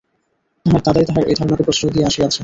তাহার দাদাই তাহার এই ধারণাকে প্রশ্রয় দিয়া আসিয়াছে।